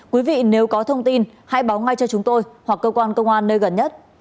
quý vị nếu có thông tin hãy báo ngay cho chúng tôi hoặc cơ quan công an nơi gần nhất